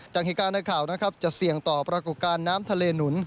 จังหิกาณะข่าวจะเสี่ยงต่อปรากฎการณ์น้ำทะเลหนุน